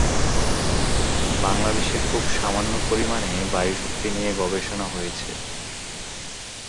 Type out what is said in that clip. বাংলাদেশে খুব সামান্য পরিমানে বায়ু শক্তি নিয়ে গবেষণা হয়েছে।